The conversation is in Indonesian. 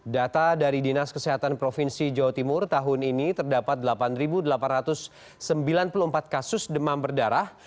data dari dinas kesehatan provinsi jawa timur tahun ini terdapat delapan delapan ratus sembilan puluh empat kasus demam berdarah